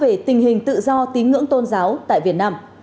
để đánh giá về tình hình tự do tín ngưỡng tôn giáo tại việt nam